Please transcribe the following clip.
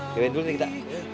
dewain dulu nih kita